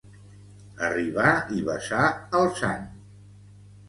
Arribar i besar el sant.